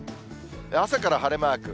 朝から晴れマーク。